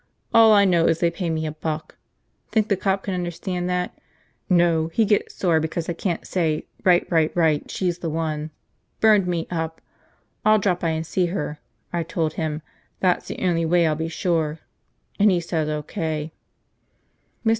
All I know is they pay me a buck. Think the cop can understand that? No, he gets sore because I can't say right, right, right, she's the one. Burned me up! I'll drop by and see her, I told him, that's the only way I'll be sure. And he says O.K." Mr.